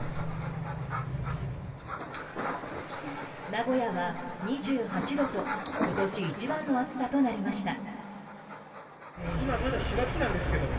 名古屋は２８度と今年一番の暑さとなりました。